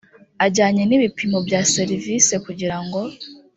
ajyanye n ibipimo bya serivisi kugirango